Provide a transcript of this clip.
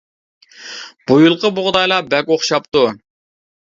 بۇ يىلقى بۇغدايلار بەك ئوخشاپتۇ.